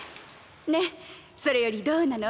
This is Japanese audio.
ねっそれよりどうなの？